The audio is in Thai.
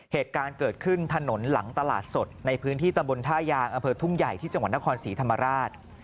เหตุการณ์เกิดขึ้นถนนหลังตลาดสดในพื้นที่ตำบลท่ายางอำเภอทุ่งใหญ่ที่จังหวัดนครศรีธรรมราช